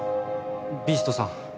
ビーストさん